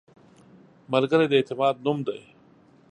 ملګری د اعتماد نوم دی